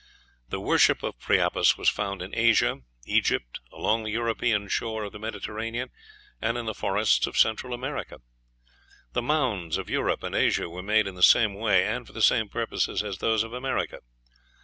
The worship of Priapus was found in Asia, Egypt, along the European shore of the Mediterranean, and in the forests of Central America. The mounds of Europe and Asia were made in the same way and for the same purposes as those of America.